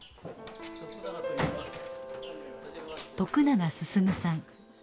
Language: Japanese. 徳永進さん。